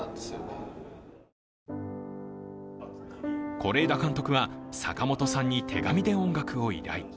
是枝監督は坂本さんに手紙で音楽を依頼。